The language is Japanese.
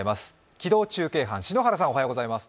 機動中継班、篠原さんおはようございます。